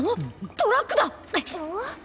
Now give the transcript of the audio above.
トラック？